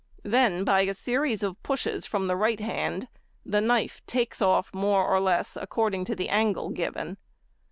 Then by a series of pushes from the right hand, the knife takes off more or less according to the angle given.